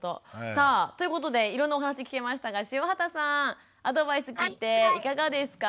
さあということでいろんなお話聞けましたが塩畑さんアドバイス聞いていかがですか？